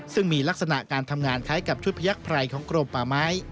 ซึ่งมีลักษณะการทำงานคล้ายกับชุดพยักษ์ไพรของกรมป่าไม้